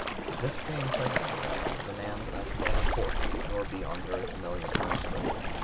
"This same President of ours is a man that I can never court nor be on very familiar terms with.